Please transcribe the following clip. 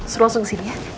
suruh langsung kesini ya